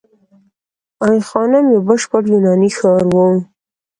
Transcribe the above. ای خانم یو بشپړ یوناني ښار و